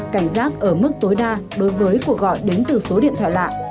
cảnh giác ở mức tối đa đối với cuộc gọi đến từ số điện thoại lạ